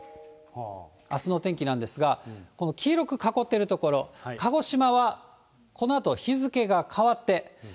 あすの天気なんですが、この黄色く囲っている所、鹿児島は、このあと、日付が変わって、